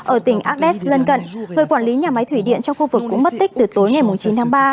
ở tỉnh agdes lân cận người quản lý nhà máy thủy điện trong khu vực cũng mất tích từ tối ngày chín tháng ba